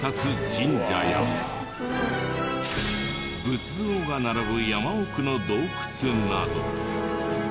仏像が並ぶ山奥の洞窟など。